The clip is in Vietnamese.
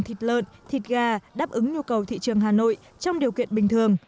thịt lợn thịt gà đáp ứng nhu cầu thị trường hà nội trong điều kiện bình thường